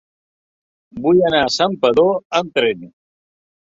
Vull anar a Santpedor amb tren.